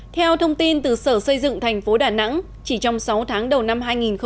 theo thông tin từ sở xây dựng thành phố đà nẵng chỉ trong sáu tháng đầu năm hai nghìn hai mươi